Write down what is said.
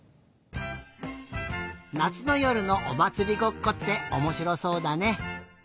なつのよるのおまつりごっこっておもしろそうだね。